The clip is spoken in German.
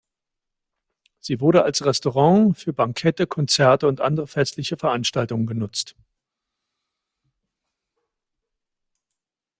Sie wurde als Restaurant, für Bankette, Konzerte und andere festliche Veranstaltungen genutzt.